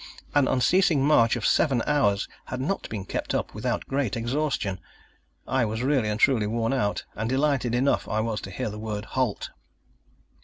An unceasing march of seven hours had not been kept up without great exhaustion. I was really and truly worn out; and delighted enough I was to hear the word Halt.